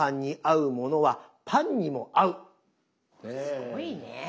すごいね。